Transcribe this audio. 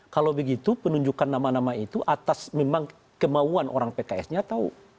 kalau begitu penunjukan nama nama itu atas memang kemauan orang pks nya tahu